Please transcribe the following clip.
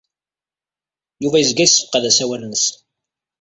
Yuba yezga yessefqad asawal-nnes.